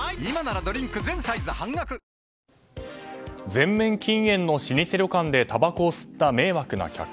全面禁煙の老舗旅館でたばこを吸った、迷惑な客。